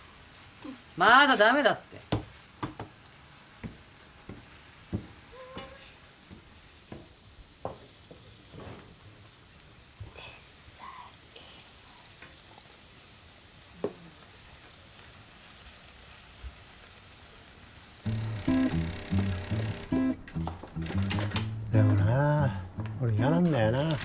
まだダメだってデザイナーうんでもな俺嫌なんだよな